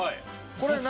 これ何？